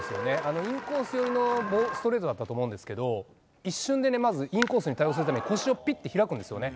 インコース寄りのストレートだったと思うんですけど、一瞬でまずインコースに対応するために、腰をぴって開くんですよね。